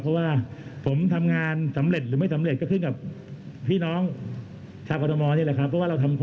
เราไม่ใช่นายนะครับเราเป็นเพื่อนลงงานครับ